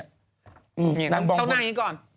ตาวหน้าอย่างนี้ก่อน